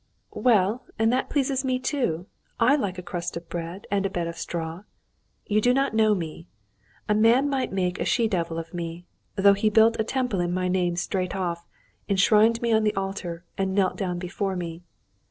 "Well, and that pleases me too. I like a crust of bread and a bed of straw. You do not know me. A man might make a she devil of me, though he built a temple in my name straight off, enshrined me on the altar, and knelt down before me.